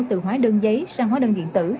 từ hóa đơn giấy sang hóa đơn điện tử